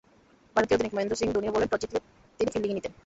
ভারতীয় অধিনায়ক মহেন্দ্র সিং ধোনিও বললেন, টসে জিতলে তিনি ফিল্ডিংই নিতেন।